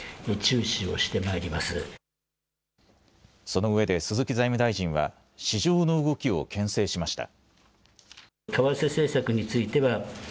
そのうえで鈴木財務大臣は市場の動きをけん制しました。